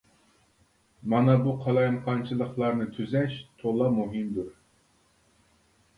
مانا بۇ قالايمىقانچىلىقلارنى تۈزەش تولا مۇھىمدۇر.